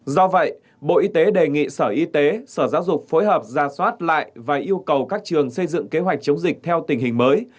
do vậy bộ y tế đề nghị sở y tế sở giáo dục phối hợp ra soát lại và yêu cầu các trường xây dựng kế hoạch chống dịch theo tình hình mới